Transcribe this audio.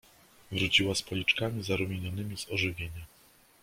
"Wróciła z policzkami zarumienionymi z ożywienia."